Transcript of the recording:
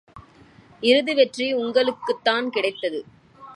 இறுதி வெற்றி உள்ளத்துக்குத்தான் கிடைத்தது.